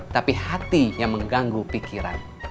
tapi hati yang mengganggu pikiran